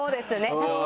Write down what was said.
確かに。